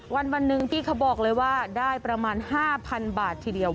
วันหนึ่งพี่เขาบอกเลยว่าได้ประมาณ๕๐๐๐บาททีเดียว